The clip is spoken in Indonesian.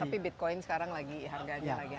tapi bitcoin sekarang lagi harganya lagi